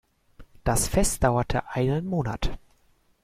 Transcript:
Das Fest dauerte einen Monat.